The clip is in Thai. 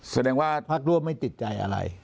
แสดงว่าพักร่วมไม่ติดใจอะไร